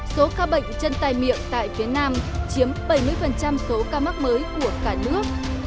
số ca bệnh chân tay miệng tại phía nam chiếm bảy mươi số ca mắc mới của cả nước